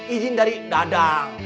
izin dari dadang